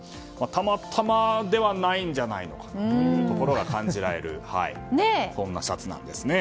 たまたまではないんじゃないのかと感じられるそんなシャツなんですね。